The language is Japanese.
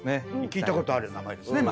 聞いたことある名前ですね。